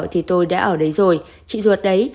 thì tôi đã ở đấy rồi chị ruột đấy